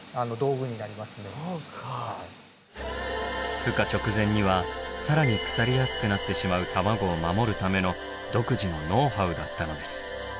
ふ化直前には更に腐りやすくなってしまう卵を守るための独自のノウハウだったのです。